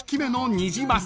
ニジマス。